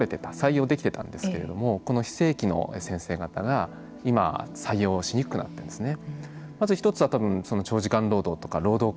当時は取れてた採用できてたんですけれどもこの非正規の先生方が今、採用しにくくなっていますよね。